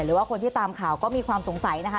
หรือว่าคนที่ตามข่าวก็มีความสงสัยนะคะ